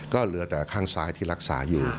ก็เหลือแต่ข้างซ้ายที่รักษาอยู่